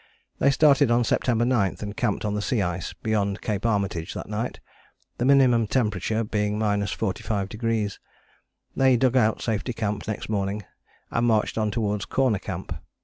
They started on September 9 and camped on the sea ice beyond Cape Armitage that night, the minimum temperature being 45°. They dug out Safety Camp next morning, and marched on towards Corner Camp.